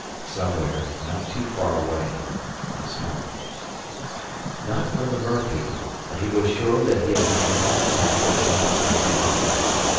Somewhere, not too far away, was help ... Not from the merpeople, but he was sure that he had been in contact with another friendly mind.